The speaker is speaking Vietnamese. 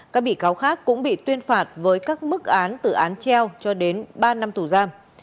các bị cáo khác cũng bị tuyên phạt với các mức án từ án treo cho đến ba năm tù giam